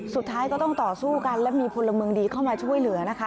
สุดท้ายก็ต้องต่อสู้กันและมีพลเมืองดีเข้ามาช่วยเหลือนะคะ